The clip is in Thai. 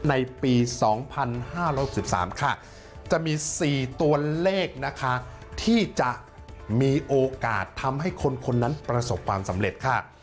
ในปี๒๕๖๓ค่ะจะมี๔ตัวเลขนะคะที่จะมีโอกาสทำให้คนนั้นประสบความสำเร็จค่ะ